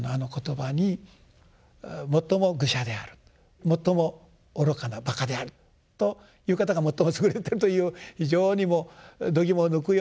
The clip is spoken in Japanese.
最も愚者である最も愚かなばかであるという方が最も優れてるという非常にもうどぎもを抜くようなですね